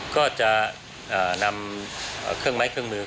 ก็จะนำเครื่องไม้เครื่องมือ